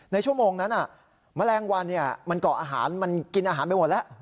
ชั่วโมงนั้นแมลงวันมันเกาะอาหารมันกินอาหารไปหมดแล้ว